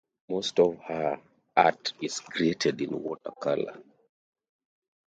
Most of her art is created in watercolor.